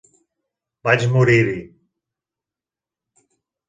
Vaig morir-hi.